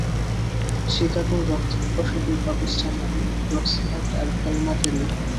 শিকাগোর রক্তপিপাসু দুই পাপিষ্ঠা নারী, রক্সি হার্ট আর ভেলমা কেলি!